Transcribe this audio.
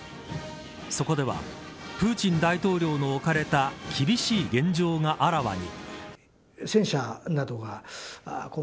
そこではプーチン大統領の置かれた厳しい現状があらわに。